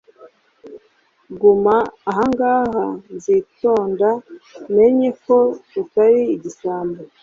guma ahangaha nzitonda menye ko utari igisambo